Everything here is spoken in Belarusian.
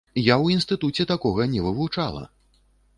Я ў інстытуце такога не вывучала!